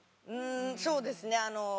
そうですねあの。